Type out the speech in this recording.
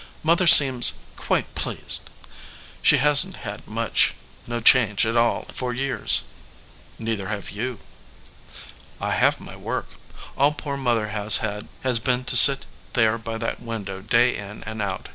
Mother seems quite pleased. She hasn t had much, no change at all for years." "Neither have you." "I have my work. All poor Mother has had has been to sit there by that window day in and out.